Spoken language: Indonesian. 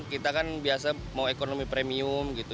kita kan biasa mau ekonomi premium gitu